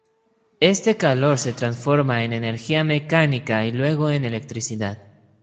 Este calor se transforma en energía mecánica y luego en electricidad.